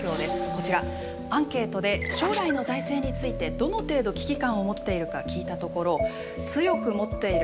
こちらアンケートで将来の財政についてどの程度危機感を持っているか聞いたところ「強く持っている」